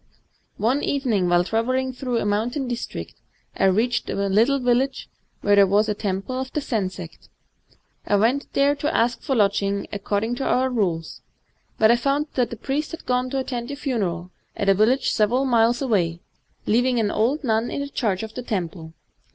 One evening, while travelling through a mountain>district, I reached a little village where there was a temple of the Zen sect. I went there to ask for lodging, according to our rules; but I found that the priest had gone to attend a funeral at a village several miles away, leaving an old nun in charge of the temple.